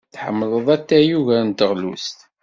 Tḥemmled atay ugar n teɣlust.